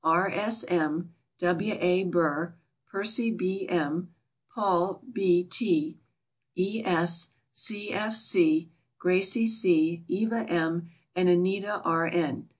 R. S. M., W. A. Burr, Percy B. M., Paul. B. T., E. S., C. F. C., Gracie C., Eva M., and Anita R. N.